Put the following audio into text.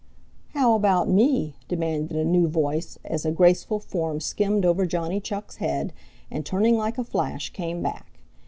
"How about me?" demanded a new voice, as a graceful form skimmed over Johnny Chuck's head, and turning like a flash, came back.